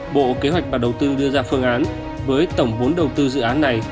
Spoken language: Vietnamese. bộ kế hoạch và đầu tư đưa ra phương án với tổng vốn đầu tư dự án này